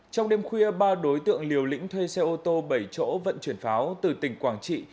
trong đêm khuya ba đối tượng liều lĩnh thuê xe ô tô bảy chỗ vận chuyển pháo từ tỉnh quảng trị